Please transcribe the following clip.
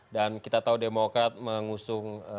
dan kita tahu demokrat mengusung